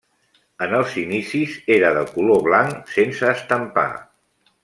En els inicis era de color blanc, sense estampar.